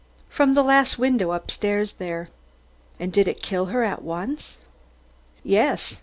"From the last window upstairs there." "And did it kill her at once?" "Yes.